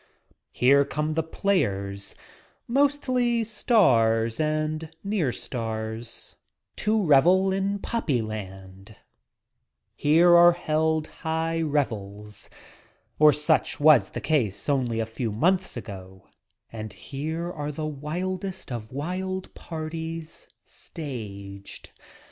Here come the players — mostly stars and near stars — to revel in Poppyland; here are held high revels — or such was the case only a few months ago — and here are the wildest of wild parties staged.